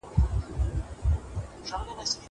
زه واښه نه راوړم.